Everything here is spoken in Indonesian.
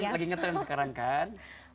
lagi ngetrend sekarang kan